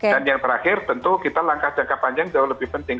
dan yang terakhir tentu kita langkah jangka panjang jauh lebih penting